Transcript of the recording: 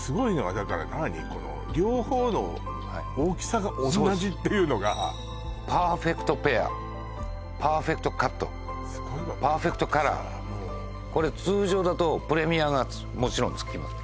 ずーっと持ってたものですっていうのがパーフェクトペアパーフェクトカットパーフェクトカラーこれ通常だとプレミアがもちろん付きます